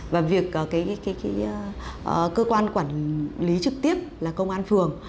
và việc cơ quan quản lý trực tiếp là công an phường